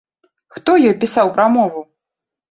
Хто ёй пісаў прамову?